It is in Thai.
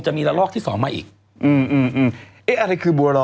จะมีละลอกที่สองมาอีกอืมอืมอึงเอ๊ะอะไรคือบวร้อยเหรอ